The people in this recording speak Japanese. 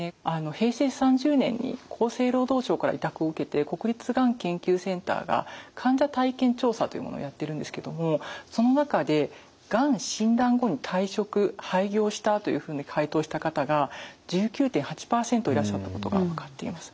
平成３０年に厚生労働省から委託を受けて国立がん研究センターが患者体験調査というものをやってるんですけどもその中でがん診断後に退職廃業したというふうに回答した方が１９．８％いらっしゃったことが分かっています。